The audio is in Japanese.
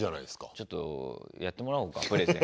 ちょっとやってもらおうかプレゼン。